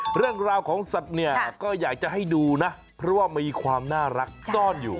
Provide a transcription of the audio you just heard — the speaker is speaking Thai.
เรื่องราวของสัตว์เนี่ยก็อยากจะให้ดูนะเพราะว่ามีความน่ารักซ่อนอยู่